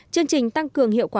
chương trình tăng cường hiệu quả